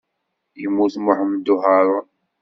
Yemmut Muḥemmud Uharun.